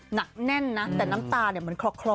หนักแน่นนะแต่ตาเนี่ยคลอร์